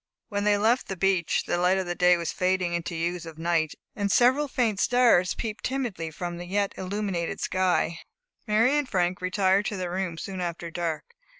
When they left the beach, the light of day was fading into the hues of night; and several faint stars peeped timidly from the yet illuminated sky. Mary and Frank retired to their room soon after dark.